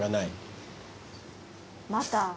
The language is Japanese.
また。